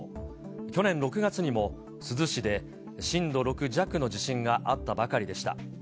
去年６月にも珠洲市で震度６弱の地震があったばかりでした。